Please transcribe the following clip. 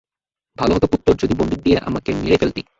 ভালো হতো পুত্তর, যদি বন্দুক দিয়ে আমাকে মেরে ফেলতি!